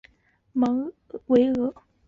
芒维厄。